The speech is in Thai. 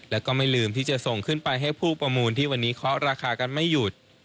แล้วก็ไม่ลืมที่จะส่งขึ้นไปให้ผู้ประมูลที่วันนี้เคาะราคากันไม่หยุด